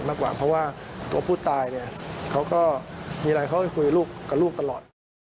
เพราะว่าตัวผู้ตายไปคุยกับลูกตลอด